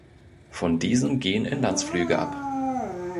Von diesem gehen Inlandsflüge ab.